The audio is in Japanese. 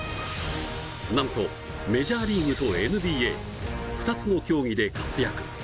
なんとメジャーリーグとＮＢＡ２つの競技で活躍。